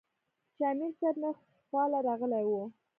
چې امير صېب مې خواله راغلے وۀ -